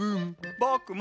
ぼくも。